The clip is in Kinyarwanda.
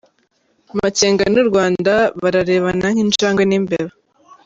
“Makenga n’u Rwanda bararebana nk’injangwe n’imbeba”